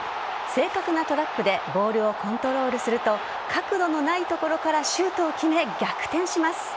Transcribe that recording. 正確なトラップでボールをコントロールすると角度のないところからシュートを決め逆転します。